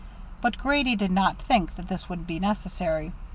But Grady did not think that this would be necessary.